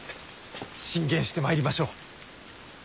進言してまいりましょう！